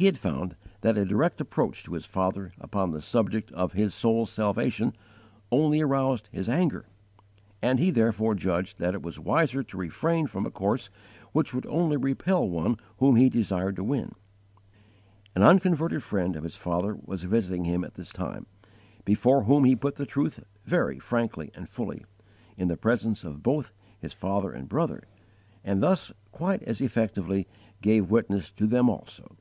He had found that a direct approach to his father upon the subject of his soul's salvation only aroused his anger, and he therefore judged that it was wiser to refrain from a course which would only repel one whom he desired to win. An unconverted friend of his father was visiting him at this time, before whom he put the truth very frankly and fully, in the presence of both his father and brother, and thus quite as effectively gave witness to them also.